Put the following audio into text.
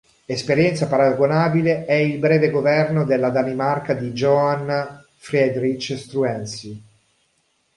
Esperienza paragonabile è il breve governo della Danimarca di Johann Friedrich Struensee.